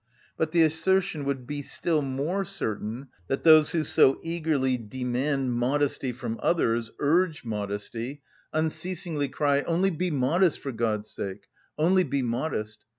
But the assertion would be still more certain that those who so eagerly demand modesty from others, urge modesty, unceasingly cry, "Only be modest, for God's sake, only be modest!"